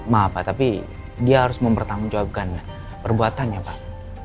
maaf pak tapi dia harus mempertanggungjawabkan perbuatannya pak